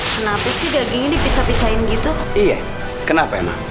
kenapa sih dagingnya dipisah pisahin gitu iya kenapa emang